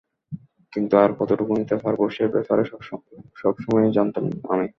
কিন্তু আর কতটুকু নিতে পারবো, সে ব্যাপারে সবসময়েই জানতাম আমি।